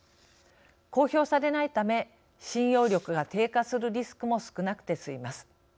公表されないため信用力が低下するリスクも少なくてすみます。